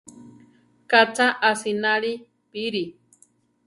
Ka cha asináli bíri!